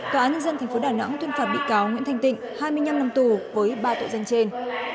tòa án nhân dân tp đà nẵng tuyên phạt bị cáo nguyễn thanh tịnh hai mươi năm năm tù với ba tội danh trên